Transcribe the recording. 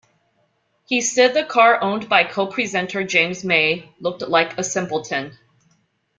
He said the car owned by co-presenter James May looked "like a simpleton".